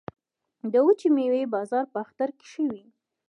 د وچې میوې بازار په اختر کې ښه وي